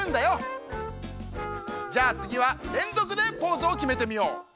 じゃあつぎはれんぞくでポーズをきめてみよう。